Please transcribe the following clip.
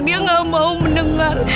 dia gak mau mendengar